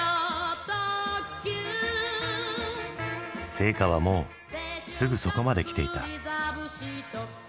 聖火はもうすぐそこまで来ていた。